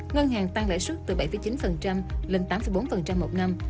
ngân hàng tăng lãi suất từ bảy chín lên tám bốn một năm